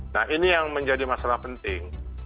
nah ini yang menjadi masalah penting